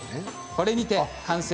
これにて完成。